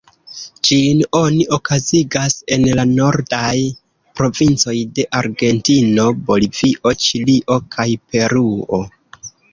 Ĝin oni okazigas en la nordaj provincoj de Argentino, Bolivio, Ĉilio kaj Peruo.